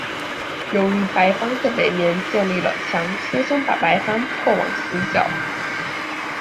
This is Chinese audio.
由于白方在北面建立了墙轻松把白方迫往死角。